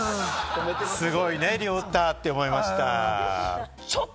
すごいね、亮太！って思いました。